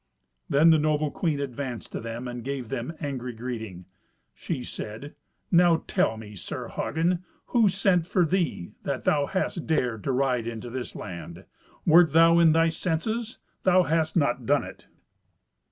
Then the noble queen advanced to them and gave them angry greeting. She said, "Now tell me, Sir Hagen, who sent for thee, that thou hast dared to ride into this land? Wert thou in thy senses, thou hadst not done it."